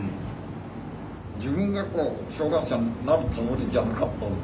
自分がこう障害者になるつもりじゃなかった。